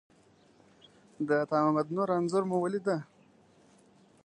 د عطامحمد نور انځور مو ولیده.